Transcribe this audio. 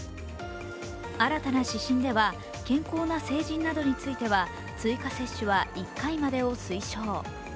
新たな指針では、健康な成人などについては追加接種は１回までを推奨。